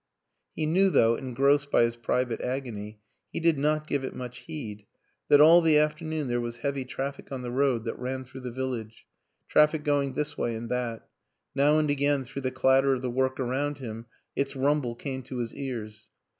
He knew though, engrossed by his private agony, he did not give it much heed, that all the afternoon there was heavy traffic on the road that ran through the village, traffic going this way and that; now and again through the clatter of the work around him its rumble came to his ears.